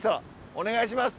お願いします。